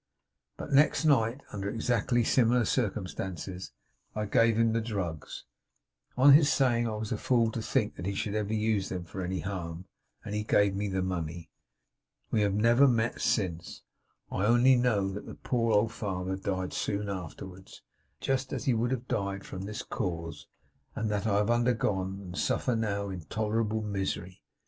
But, next night, under exactly similar circumstances, I gave him the drugs, on his saying I was a fool to think that he should ever use them for any harm; and he gave me the money. We have never met since. I only know that the poor old father died soon afterwards, just as he would have died from this cause; and that I have undergone, and suffer now, intolerable misery.